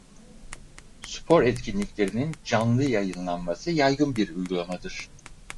Spor etkinliklerinin canlı yayınlanması yaygın bir uygulamadır.